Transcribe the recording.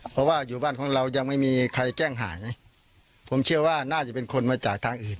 เพราะว่าอยู่บ้านของเรายังไม่มีใครแจ้งหายผมเชื่อว่าน่าจะเป็นคนมาจากทางอื่น